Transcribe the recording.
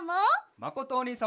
まことおにいさんも。